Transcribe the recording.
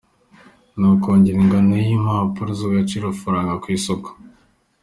Ni ukongera ingano y’impapuro z’agaciro-faranga ku isoko.